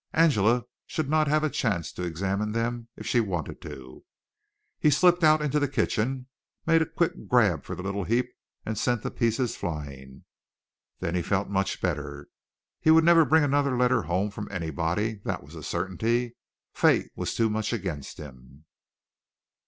Angela should not have a chance to examine them if she wanted to. He slipped out into the kitchen, made a quick grab for the little heap, and sent the pieces flying. Then he felt much better. He would never bring another letter home from anybody, that was a certainty. Fate was too much against him.